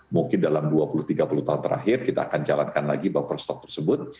mungkin dalam dua puluh tiga puluh tahun terakhir kita akan jalankan lagi buffer stok tersebut